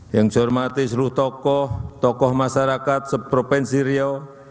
yang saya hormati seluruh tokoh tokoh masyarakat se provence rio